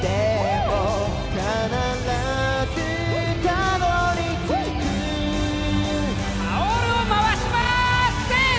タオルを回します、せー